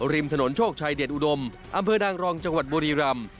ริมถนนโชคชัยเดชอุดมอำเภอนางรองจังหวัดบุรีรำ